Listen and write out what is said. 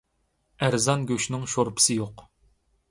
ئەرزان گۆشنىڭ شورپىسى يوق.